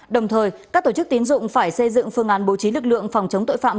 đồng thời các tổ chức tín dụng phải xây dựng phương án bố trí lực lượng phòng chống tội phạm